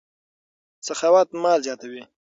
سخاوت مال زیاتوي.